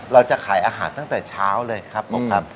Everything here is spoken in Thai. เราจะขายอาหารตั้งแต่เช้าเลยครับหมอครับ